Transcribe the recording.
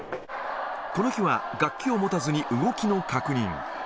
この日は、楽器を持たずに動きの確認。